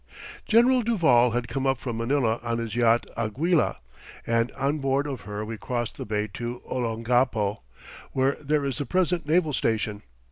General Duvall had come up from Manila on his yacht Aguila, and on board of her we crossed the bay to Olongapo, where there is the present naval station.